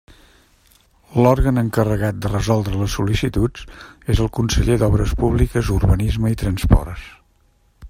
L'òrgan encarregat de resoldre les sol·licituds és el conseller d'Obres Públiques, Urbanisme i Transports.